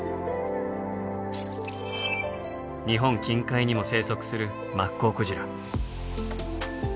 日本近海にも生息するマッコウクジラ。